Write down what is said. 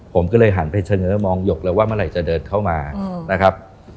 ผมก็เลยหันไปเสนอมองหยกเลยว่าเมื่อไหร่จะเดินเข้ามานะครับ